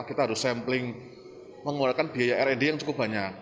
kita harus sampling mengeluarkan biaya red yang cukup banyak